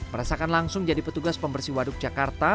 merasakan langsung jadi petugas pembersih waduk jakarta